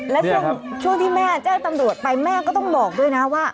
และช่วงที่แม่แจ้งตำรวจไปแม่ก็ต้องบอกด้วยนะว่า